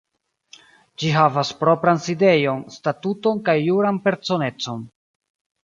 Ĝi havas propran sidejon, statuton kaj juran personecon.